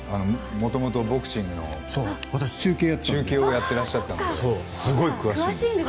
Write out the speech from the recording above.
元々ボクシングの中継をやっていらっしゃったのですごい詳しいんで。